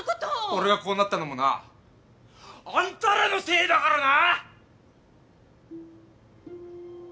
俺がこうなったのもなあんたらのせいだからな！